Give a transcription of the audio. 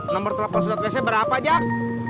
nomor telepon surat wc berapa jak